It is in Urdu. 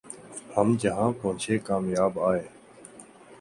ہم جہاں پہنچے کامیاب آئے